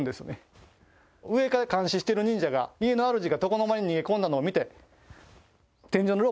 上から監視してる忍者が家のあるじが床の間に逃げ込んだのを見て天井のロープ切るんです。